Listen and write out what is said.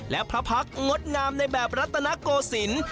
และพระพักษ์งดงามในแบบรัตนโกศิลป์